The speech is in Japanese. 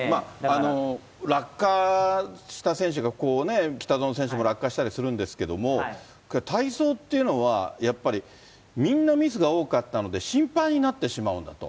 落下した選手が、北園選手も落下したりするんですけど、体操っていうのは、やっぱりみんなミスが多かったので、心配になってしまうんだと。